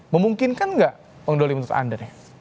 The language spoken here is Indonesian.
memungkinkan nggak bang doli untuk anda